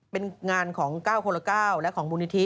เป็นงานของ๙คนละ๙และของบริษฐิ